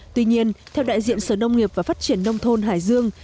tuy nhiên theo đại diện sở nông nghiệp và phát triển nông thôn hải dương